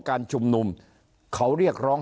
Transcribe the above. ว่าหนึ่งในสามข้อเรียกร้อง